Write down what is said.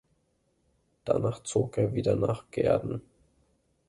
Danach zog er wieder nach Gehrden.